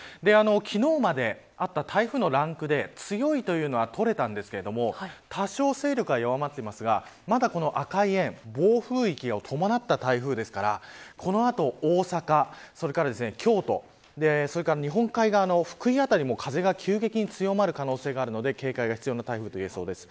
昨日まであった台風のランクで強いというのは取れたんですけど多少、勢力は弱まっていますがまだ赤い円、暴風域を伴った台風ですからこの後大阪、それから京都それから日本海側の福井辺りも風が急激に強まる可能性があるので警戒が必要な台風といえそうです。